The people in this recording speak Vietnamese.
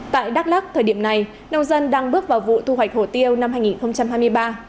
tại đắk lắc thời điểm này nông dân đang bước vào vụ thu hoạch hổ tiêu năm hai nghìn hai mươi ba